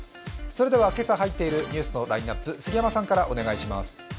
それでは今朝入っているニュースのラインナップ、杉山さんからお願いします。